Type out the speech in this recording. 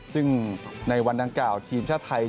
ซึ่งในวันดังกล่าวทีมชาติไทย